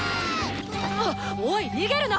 あっおい逃げるな！